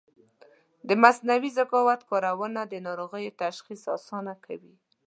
د مصنوعي ذکاوت کارونه د ناروغیو تشخیص اسانه کوي.